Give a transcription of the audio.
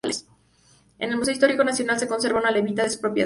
En el Museo Histórico Nacional se conserva una levita de su propiedad.